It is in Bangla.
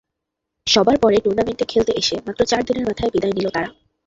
সবার পরে টুর্নামেন্টে খেলতে এসে মাত্র চার দিনের মাথায় বিদায় নিল তারা।